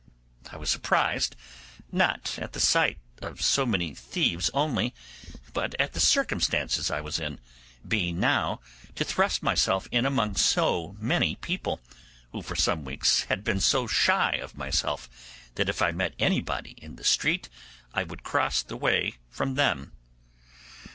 I was surprised, not at the sight of so many thieves only, but at the circumstances I was in; being now to thrust myself in among so many people, who for some weeks had been so shy of myself that if I met anybody in the street I would cross the way from them.